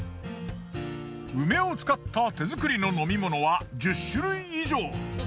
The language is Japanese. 梅を使った手作りの飲み物は１０種類以上。